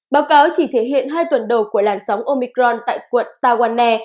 báo cáo chỉ thể hiện hai tuần đầu của làn sóng omicron tại quận tawanna